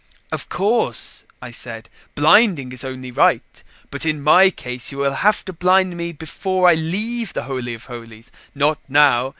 "Of course," I said, "blinding is only right. But in my case you will have to blind me before I leave the Holy of Holies, not now.